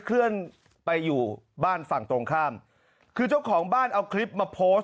เคลื่อนไปอยู่บ้านฝั่งตรงข้ามคือเจ้าของบ้านเอาคลิปมาโพสต์